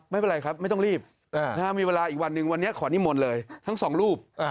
ไม่เป็นไรครับไม่ต้องรีบมีเวลาอีกวันหนึ่งวันนี้ขอนิมนต์เลยทั้งสองรูป